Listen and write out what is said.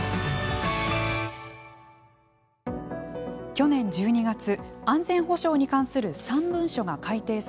去年１２月、安全保障に関する３文書が改定されました。